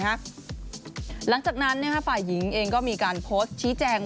หลังจากนั้นฝ่ายหญิงเองก็มีการโพสต์ชี้แจง